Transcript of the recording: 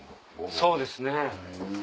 そうですね。